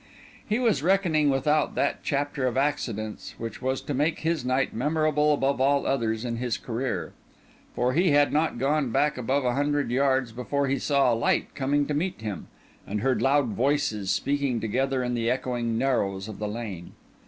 He was reckoning without that chapter of accidents which was to make this night memorable above all others in his career; for he had not gone back above a hundred yards before he saw a light coming to meet him, and heard loud voices speaking together in the echoing narrows of the lane.